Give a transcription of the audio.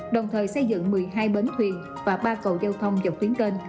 đồng thời xây dựng một mươi hai bến thuyền và ba cầu giao thông dọc tuyến kênh